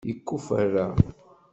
Yekuferra?